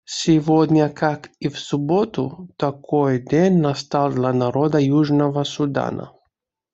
Сегодня, как и в субботу, такой день настал для народа Южного Судана.